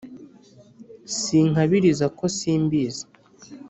sinkabiriza ko simbizi.